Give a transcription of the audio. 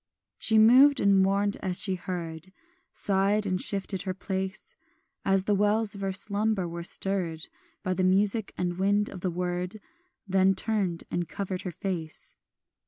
She moved and mourned as she heard, Sighed and shifted her place, As the wells of her slumber were stirred By the music and wind of the word, Then turned and covered her face.